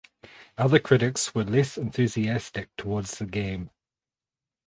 Other critics were less enthusiastic towards the game.